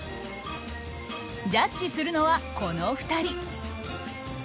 ジャッジするのはこの２人。